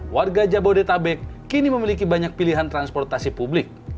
warga jabodetabek kini memiliki banyak pilihan transportasi publik